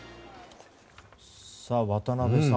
渡辺さん